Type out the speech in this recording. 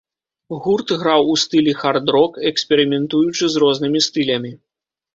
Гурт граў у стылі хард-рок, эксперыментуючы з рознымі стылямі.